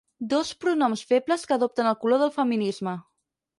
Dos pronoms febles que adopten el color del feminisme.